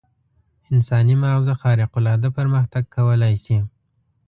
انساني ماغزه خارق العاده پرمختګ کولای شي.